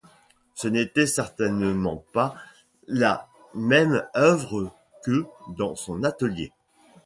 Ce n'était certainement pas la même oeuvre que dans son atelier.